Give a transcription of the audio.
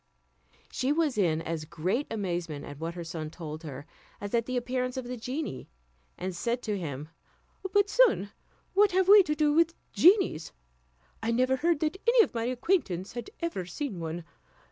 She was in as great amazement at what her son told her, as at the appearance of the genie; and said to him, "But, son, what have we to do with genies? I never heard that any of my acquaintance had ever seen one.